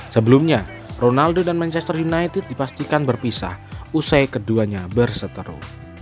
sebelumnya ronaldo dan manchester united dipastikan berpisah usai keduanya berseteru